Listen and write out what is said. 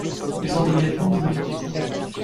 Les andouillettes non plus !